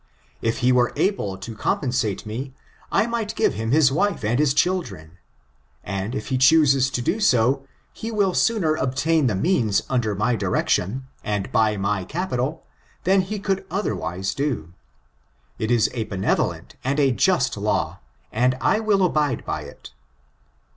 If he were able to compensate me, I might give him his wife and his children; and if he chooses to do so, he will sooner obtain the means under my direction, and by my capital, than he could otherwise do. It is a benevolent and a just law, and I will abide by it.